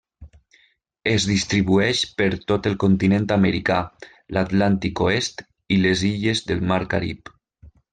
Es distribueix per tot el continent americà, l'Atlàntic oest i les illes del Mar Carib.